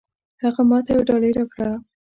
هغه ماته يوه ډالۍ راکړه.